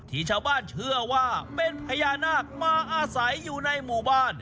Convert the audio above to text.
ชาวบ้านเชื่อว่าเป็นพญานาคมาอาศัยอยู่ในหมู่บ้าน